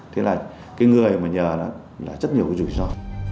thế là cái người mà nhờ đó là rất nhiều cái rủi ro